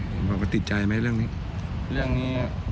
เห็นพวกเขาติดใจไหมเรื่องนี้